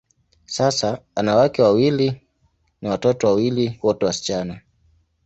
Sasa, ana wake wawili na watoto wawili, wote wasichana.